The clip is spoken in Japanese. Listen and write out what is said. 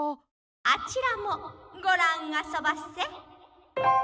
「あちらもごらんあそばせ！」。